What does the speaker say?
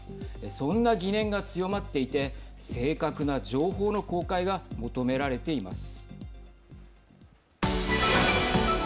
そんな疑念が強まっていて正確な情報の公開が求められています。